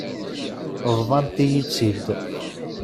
Bḍant-iyi-tt-id.